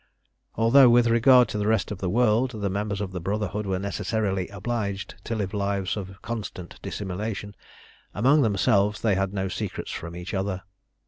Although with regard to the rest of the world the members of the Brotherhood were necessarily obliged to live lives of constant dissimulation, among themselves they had no secrets from each other.